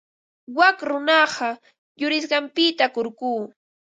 Wak runaqa yurisqanpita kurku.